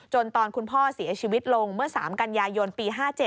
ตอนคุณพ่อเสียชีวิตลงเมื่อ๓กันยายนปี๕๗